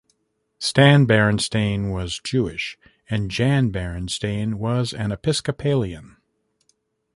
Stan Berenstain was Jewish and Jan Berenstain was an Episcopalian.